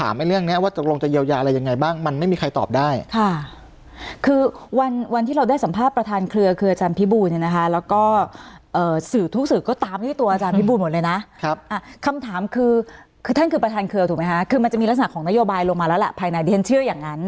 คือมันจะมีลักษณะของนโยบายลงมาแล้วแหละภายในเรียนชื่ออย่างนั้น